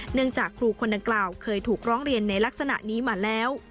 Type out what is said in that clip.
จากครูคนดังกล่าวเคยถูกร้องเรียนในลักษณะนี้มาแล้ว